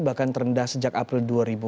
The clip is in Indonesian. bahkan terendah sejak april dua ribu empat belas